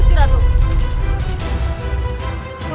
tidak aku sudah menyerangmu